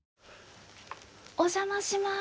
お邪魔します。